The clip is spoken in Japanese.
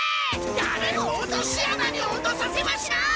だれも落とし穴に落とさせはしない！